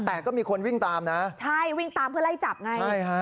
แต่ก็มีคนวิ่งตามนะใช่วิ่งตามเพื่อไล่จับไงใช่ฮะ